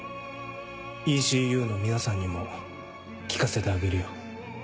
ＥＣＵの皆さんにも聞かせてあげるよ。